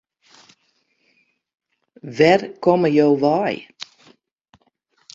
Wêr komme jo wei?